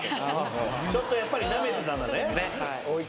ちょっとやっぱりなめてたんだね。